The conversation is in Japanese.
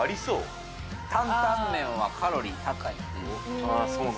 担々麺はカロリー高い。